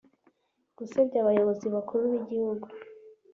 gusebya Abayobozi bakuru b’ Igihugu